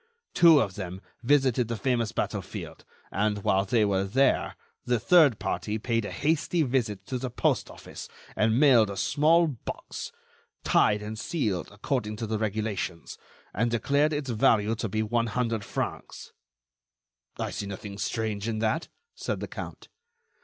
Two of them visited the famous battlefield; and, while they were there, the third party paid a hasty visit to the post office, and mailed a small box, tied and sealed according to the regulations, and declared its value to be one hundred francs." "I see nothing strange in that," said the count.